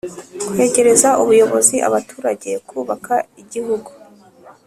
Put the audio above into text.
kwegeraza ubuyobozi abaturage kubaka igihugu